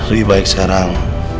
lebih baik sekarang